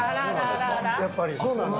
やっぱりそうなんです。